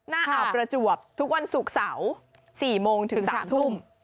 น่าอาบประจวบทุกวันศุกร์เสาร์สี่โมงถึงสามทุ่ม